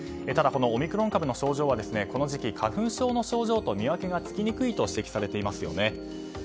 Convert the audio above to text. ただこのオミクロン株の症状はこの時期、花粉症の症状と見分けがつきにくいと指摘されていますよね。